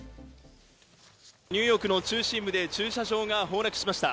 ニューヨークの中心部で駐車場が崩落しました。